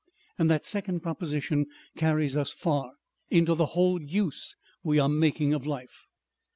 And that second proposition carries us far. Into the whole use we are making of life.